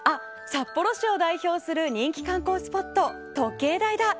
札幌市を代表する人気観光スポット時計台だ！